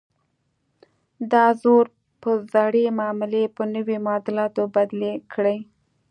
دا زور به زړې معاملې په نویو معادلاتو بدلې کړي.